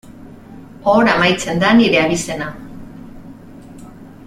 Hor amaitzen da nire abizena.